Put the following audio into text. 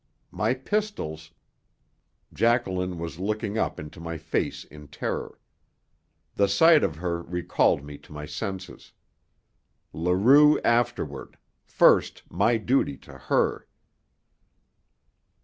My pistols Jacqueline was looking up into my face in terror. The sight of her recalled me to my senses. Leroux afterward first my duty to her!